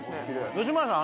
吉村さん